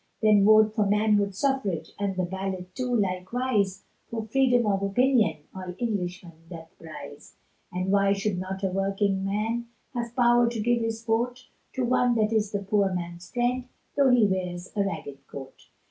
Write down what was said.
Then vote for manhood suffrage, And the ballot too, likewise, For Freedom of opinion, All Englishmen doth prize; And why should not a working man Have power to give his vote, To one that is the poor man's friend, Tho' he wears a ragged coat.